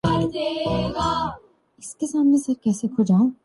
لیکن دنیا بھر میں مقبول اس ڈارمے کا مرکزی کردار ارطغرل